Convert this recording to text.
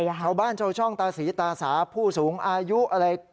ชาวบ้านชาวช่องตาสีตาสาผู้สูงอายุอะไร